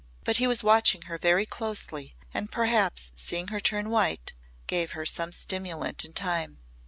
But he was watching her very closely and perhaps seeing her turn white gave her some stimulant in time.